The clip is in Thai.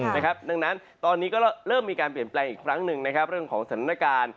ดังนั้นตอนนี้ก็เริ่มมีการเปลี่ยนแปลงอีกครั้งหนึ่งนะครับเรื่องของสถานการณ์